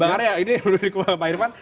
bang arya ini dikubur pak irfan